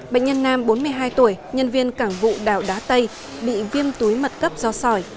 bệnh nhân nam bốn mươi hai tuổi nhân viên cảng vụ đảo đá tây bị viêm túi mật cấp do sỏi